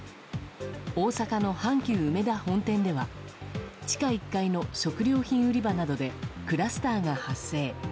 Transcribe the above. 大阪の阪急うめだ本店では地下１階の食料品売り場などでクラスターが発生。